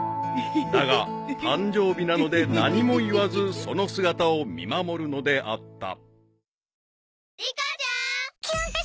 ［だが誕生日なので何も言わずその姿を見守るのであった］